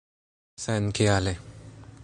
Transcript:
senkiale